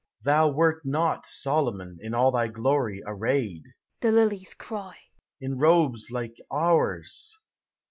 "Thou wert not. Solomon, in all thy glory, Arrayed," the lilies cry, " in robes like ours!